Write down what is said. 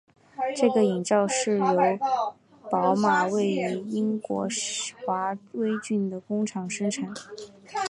这个引擎是由宝马位于英国华威郡的工厂生产。